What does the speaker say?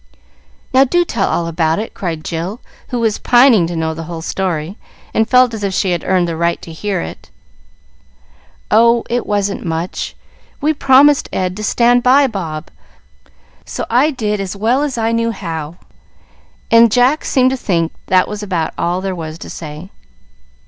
"Now do tell all about it," cried Jill, who was pining to know the whole story, and felt as if she had earned the right to hear it. "Oh, it wasn't much. We promised Ed to stand by Bob, so I did as well as I knew how;" and Jack seemed to think that was about all there was to say.